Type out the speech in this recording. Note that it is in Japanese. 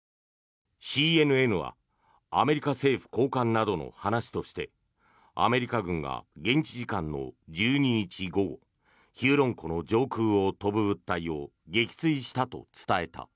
ＣＮＮはアメリカ政府高官などの話としてアメリカ軍が現地時間の１２日午後ヒューロン湖の上空を飛ぶ物体を撃墜したと伝えた。